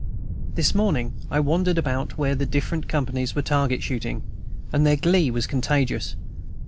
This morning I wandered about where the different companies were target shooting, and their glee was contagious.